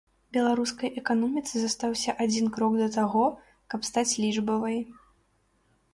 Беларускай эканоміцы застаўся адзін крок да таго, каб стаць лічбавай.